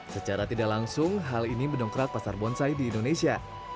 secara tidak langsung hal ini mendongkrak pasar bonsai di indonesia